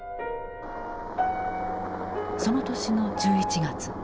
その年の１１月。